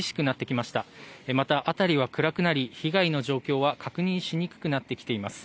また、辺りは暗くなり被害の状況は確認しにくくなってきています。